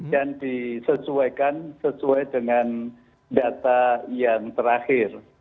dan disesuaikan sesuai dengan data yang terakhir